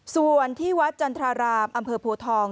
ส่วนที่วัดจันทรารามอำเภอโพทอง